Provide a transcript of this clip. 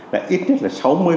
là ít nhất là sáu mươi năm